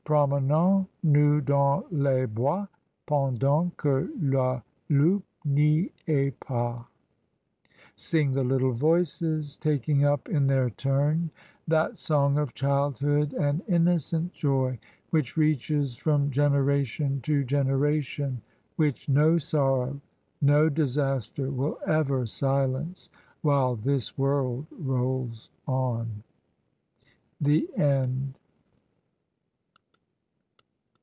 Promenons nous dans les bois. Pendant que le loup n'y est pas; sing the little voices taking up in their turn that song of childhood and innocent joy, which reaches from generation to generation, which no sorrow, no disaster, will ever silence while this world rolls on. TOE END.